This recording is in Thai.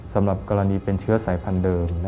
สำหรับกรณีเป็นเชื้อสายพันธุ์เดิม